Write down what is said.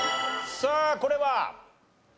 さあこれは？